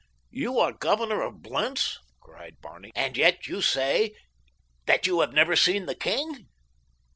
"You are governor of Blentz," cried Barney, "and yet you say that you have never seen the king?"